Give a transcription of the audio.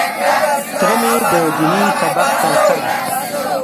تره مې د ديني سبق تر څنګ.